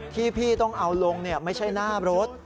ที่พี่ต้องเอาลงไม่ใช่หน้ารถ